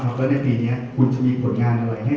เขาก็จะเลิกไปเพิ่มปีนี้เลิกใหม่